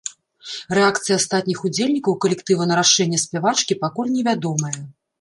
Рэакцыя астатніх удзельнікаў калектыва на рашэнне спявачкі пакуль невядомая.